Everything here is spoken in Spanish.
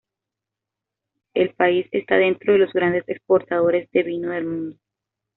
El país está dentro de los grandes exportadores de vino del mundo.